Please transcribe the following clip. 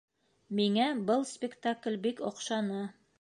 Миңә был спектакль бик оҡшаны